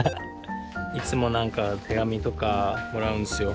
いつも何か手紙とかもらうんですよ。